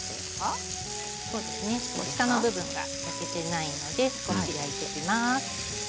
下の部分が焼けていないので返していきます。